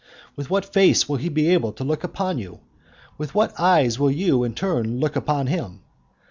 with what face will he be able to look upon you, and with what eyes will you, in turn, look upon him?